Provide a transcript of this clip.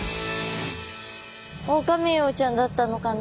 オオカミウオちゃんだったのかな。